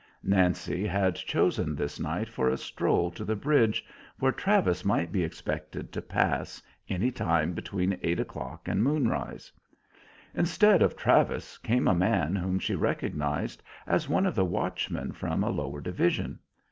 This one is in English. Nancy had chosen this night for a stroll to the bridge, where Travis might be expected to pass, any time between eight o'clock and moonrise. Instead of Travis came a man whom she recognized as one of the watchmen from a lower division.